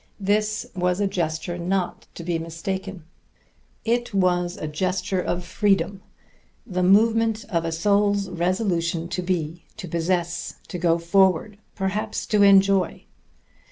This was a gesture not to be mistaken: it was a gesture of freedom, the movement of a soul's resolution to be, to possess, to go forward, perhaps to enjoy.